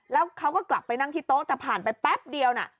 แล้วเขาก็กลับไปนั่งที่โต๊ะแต่ผ่านไปแป๊บเดียวน่ะ